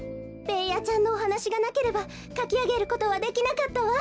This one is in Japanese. ベーヤちゃんのおはなしがなければかきあげることはできなかったわ。